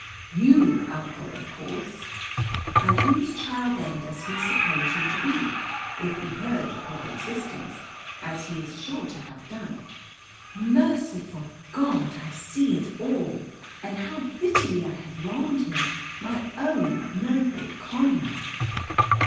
"You, Uncle, of course." "And whose child then does he suppose you to be; if he heard of your existence, as he is sure to have done?" "Merciful God, I see it all! And how bitterly I have wronged him, my own noble Conrad!"